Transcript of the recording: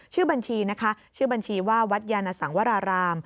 ชื่อบัญชีนะคะชื่อบัญชีว่าวัดยานสังวราราม